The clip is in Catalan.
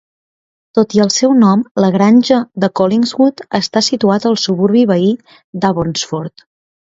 Tot i el seu nom, la Granja de Collingwood està situat al suburbi veí de Abbortsford.